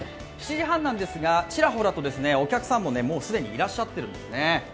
７時半なんですが、ちらほらとお客さんも既にいらっしゃっているんですね。